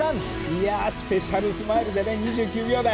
いやあスペシャルスマイルで２９秒台！